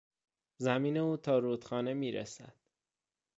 زمین او تا رودخانه میرسد.